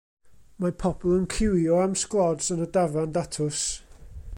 Mae pobl yn ciwio am sglods yn Y Dafarn Datws.